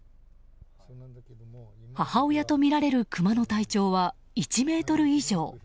母親とみられるクマの体長は１ｍ以上。